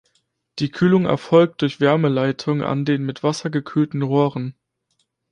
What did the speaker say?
Die Kühlung erfolgt durch Wärmeleitung an den mit Wasser gekühlten Rohren.